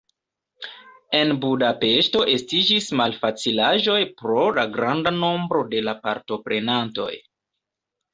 En Budapeŝto estiĝis malfacilaĵoj pro la granda nombro de la partoprenantoj.